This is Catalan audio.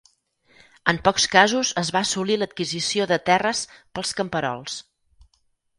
En pocs casos es va assolir l'adquisició de terres pels camperols.